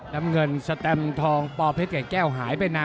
น้ำเงินสแตมทองปอเพชรไก่แก้วหายไปนาน